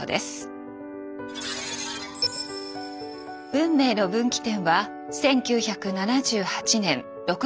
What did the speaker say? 運命の分岐点は１９７８年６月１４日。